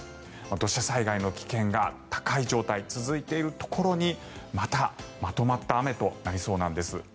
土砂災害の危険が高い状態続いているところにまたまとまった雨となりそうなんです。